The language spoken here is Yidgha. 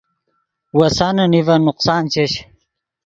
وسانے نیڤن نقصان چش